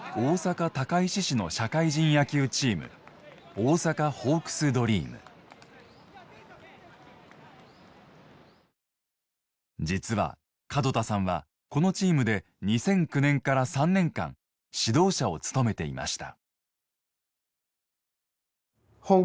大阪・高石市の実は門田さんはこのチームで２００９年から３年間指導者を務めていました。